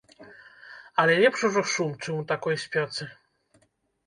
Але лепш ужо шум, чым у такой спёцы.